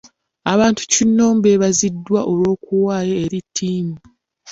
Abantu kinoonmu beebaziddwa olw'okuwaayo eri ttiimu.